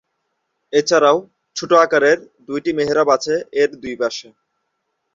এছাড়া ছোট আকারের দুইটি মেহরাব আছে এর দুই পাশে।